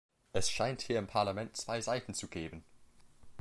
Es scheint hier im Parlament zwei Seiten zu geben.